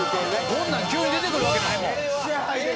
こんなん急に出てくるわけないもん。